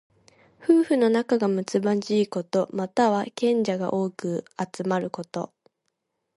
夫婦の仲がむつまじいこと。または、賢者が多く集まること。